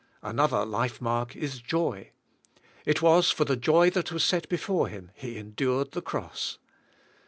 Another life mark is joy. It was for the joy that was set before Him He endured the cross.